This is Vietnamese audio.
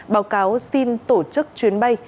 báo cáo xin tổ chức chuyến bay